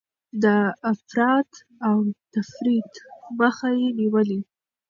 د افراط او تفريط مخه يې نيولې.